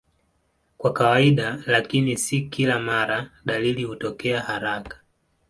Kwa kawaida, lakini si kila mara, dalili hutokea haraka.